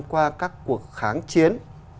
qua các cuộc kháng chiến